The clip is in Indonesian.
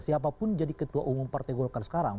siapapun jadi ketua umum partai golkar sekarang